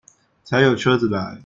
才有車子來